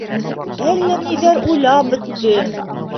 Әллә ниҙәр уйлап бөттөм...